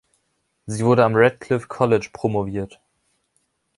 Sie wurde am Radcliffe College promoviert.